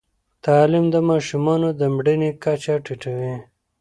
تعلیم د ماشومانو د مړینې کچه ټیټوي.